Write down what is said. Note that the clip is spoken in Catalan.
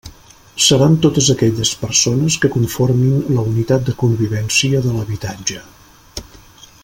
Seran totes aquelles persones que conformin la unitat de convivència de l'habitatge.